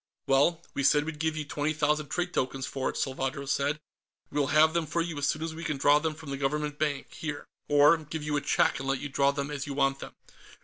"Well, we said we'd give you twenty thousand trade tokens for it," Salvadro said. "We'll have them for you as soon as we can draw them from the Government bank, here. Or give you a check and let you draw them as you want them."